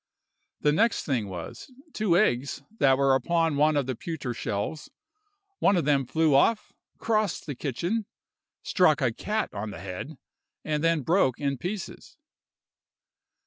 "The next thing was, two eggs that were upon one of the pewter shelves, one of them flew off, crossed the kitchen, struck a cat on the head, and then broke in pieces.